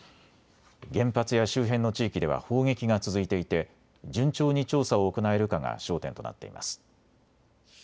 原発や周辺の地域では砲撃が続いていて順調に調査を行えるかが焦点となっています。